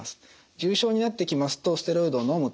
重症になってきますとステロイドをのむと。